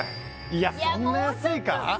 いやそんな安いか？